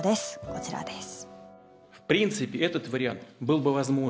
こちらです。